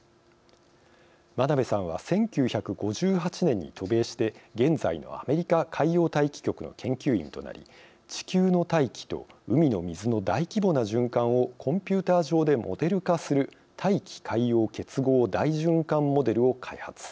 真鍋さんは１９５８年に渡米して現在のアメリカ海洋大気局の研究員となり地球の大気と海の水の大規模な循環をコンピューター上でモデル化する大気海洋結合大循環モデルを開発。